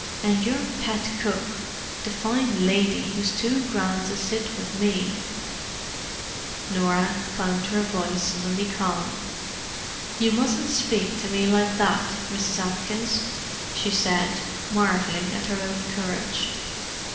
"And your pet cook, the fine lady who's too grand to sit with me——" Norah found her voice suddenly calm. "You mustn't speak to me like that, Mrs. Atkins," she said, marvelling at her own courage.